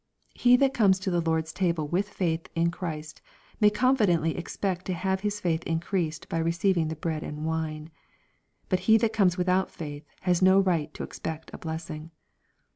He that comes to the Lord's table with faith in Christ, may con ^deatly expect to have his faith increased by receiving the bread and wine. But he that comes without faith ba0 no right to expect a blessing.